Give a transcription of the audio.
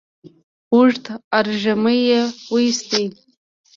اوږد ارږمی يې وايست،